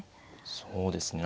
そうですね。